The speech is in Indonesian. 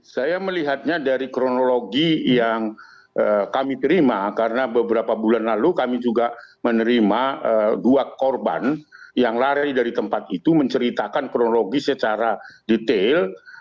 saya melihatnya dari kronologi yang kami terima karena beberapa bulan lalu kami juga menerima dua korban yang lari dari tempat itu menceritakan kronologi secara detail